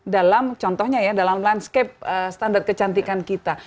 dalam contohnya ya dalam landscape standar kecantikan kita